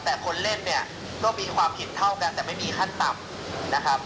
แต่คนเล่นเนี่ยก็มีความเห็นเท่ากันแต่ไม่มีขั้นต่ำนะครับ